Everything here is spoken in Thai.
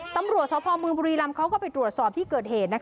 ตำรวจสพมบุรีรำเขาก็ไปตรวจสอบที่เกิดเหตุ